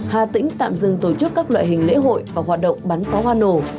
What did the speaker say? hà tỉnh tạm dừng tổ chức các loại hình lễ hội và hoạt động bắn phó hoa nổ